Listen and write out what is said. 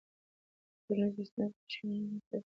که د ټولنیزو ستونزو ریښه ونه لټوې، بدلون نه رامنځته کېږي.